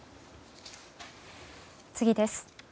次です。